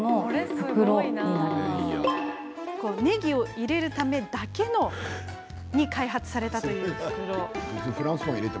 ねぎを入れるためだけに開発されたというこちらの袋。